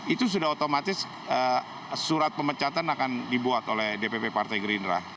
itu sudah otomatis surat pemecatan akan dibuat oleh dpp partai gerindra